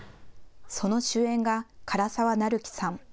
その主演が柄沢育希さん。